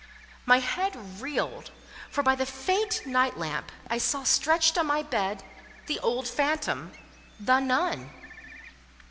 — My head reeled, for by the faint night lamp, I saw stretched on my bed the old phantom—the NUN.